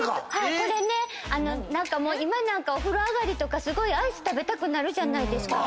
これね今なんかお風呂上がりとかすごいアイス食べたくなるじゃないですか。